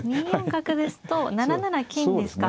２四角ですと７七金ですか。